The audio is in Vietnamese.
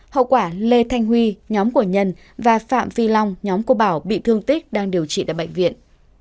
hậu quả lê thanh huy nhóm của nhân và phạm phi long nhóm của bảo bị thương tích đang điều trị tại bệnh viện